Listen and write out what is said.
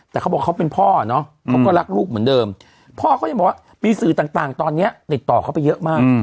แต่เขาบอกเขาเป็นพ่อเนอะเขาก็รักลูกเหมือนเดิมพ่อเขายังบอกว่ามีสื่อต่างตอนนี้ติดต่อเขาไปเยอะมาก